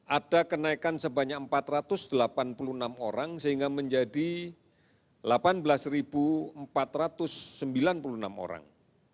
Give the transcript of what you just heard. ada kenaikan sebanyak empat ratus delapan puluh enam orang sehingga menjadi delapan belas empat ratus sembilan puluh enam orang